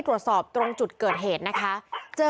พวกมันต้องกินกันพี่